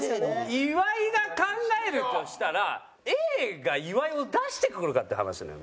岩井が考えるとしたらＡが岩井出してくるかって話なのよ